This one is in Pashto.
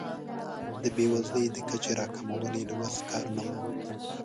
د بیوزلۍ د کچې راکمول یې له وس کار نه و.